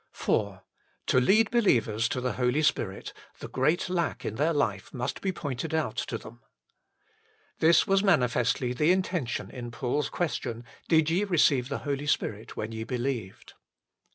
IV To lead believers to the Holy Spirit, the great lack in their life must be pointed out to them. This was manifestly the intention in Paul s question :" Did ye receive the Holy Spirit when ye believed